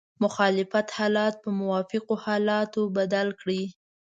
مخالف حالات په موافقو حالاتو بدل کړئ.